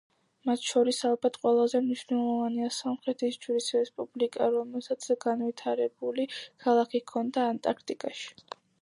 მათ შორის ალბათ ყველაზე მნიშვნელოვანია „სამხრეთის ჯვრის რესპუბლიკა“, რომელსაც განვითარებული ქალაქი ჰქონდა ანტარქტიკაში.